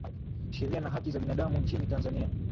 sheria na haki za binadamu nchini tanzania